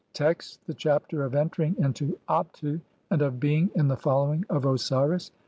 Text : (1) The Chapter of entering into Abtu, and of BEING IN THE FOLLOWING OF OsiRIS.